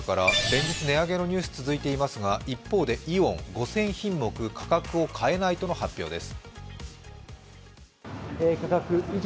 連日、値上げのニュース続いていますが一方でイオン、５０００品目価格を変えないとの発表です。